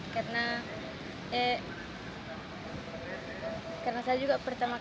karena saya juga pertama kali kesini pak kaget waktu pertama masuk